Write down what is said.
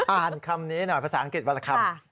อ่านคำนี้หน่อยภาษาอังกฤษวันละคำ